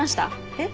えっ？